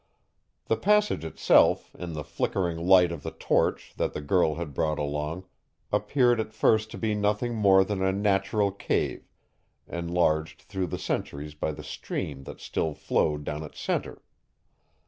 The passage itself, in the flickering light of the torch that the girl had brought along, appeared at first to be nothing more than a natural cave enlarged through the centuries by the stream that still flowed down its center.